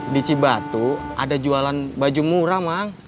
di cibatu ada jualan baju murah mang